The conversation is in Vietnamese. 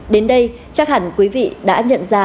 đến đây chắc hẳn quý vị đã nhận ra